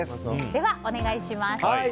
では、お願いします。